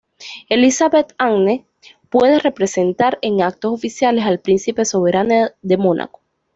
Elisabeth Anne puede representar en actos oficiales al Príncipe Soberano de Mónaco.